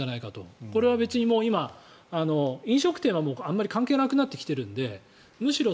別にこれは今、飲食店はもうあまり関係なくなってきているのでむしろ